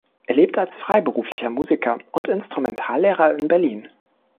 Er lebt als freiberuflicher Musiker und Instrumentallehrer in Berlin.